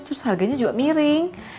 terus harganya juga miring